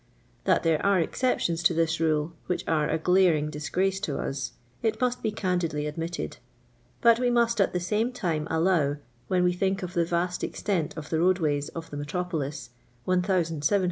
That there are exceptions to this rule, which are a glaring disgrace to us, it must be candidly ad mitted; but we muht at the same time allow, when we think of the vast extent of the road ways of the metropolis (17C0 miles